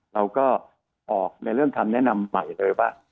เราก็ออกในเรื่องคำแนะนำใหม่เลยว่า